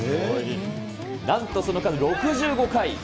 なんとその数、６５回。